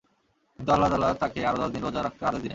কিন্তু আল্লাহ তাআলা তাকে আরো দশদিন রোযা রাখত আদেশ দিলেন।